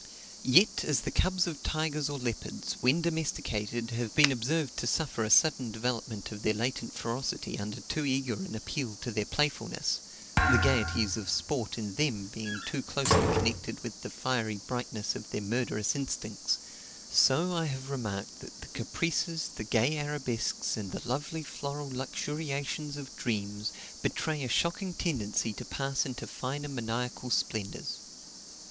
Yet, as the cubs of tigers or leopards, when domesticated, have been observed to suffer a sudden development of their latent ferocity under too eager an appeal to their playfulness the gaieties of sport in them being too closely connected with the fiery brightness of their murderous instincts so I have remarked that the caprices, the gay arabesques, and the lovely floral luxuriations of dreams, betray a shocking tendency to pass into finer maniacal splendors.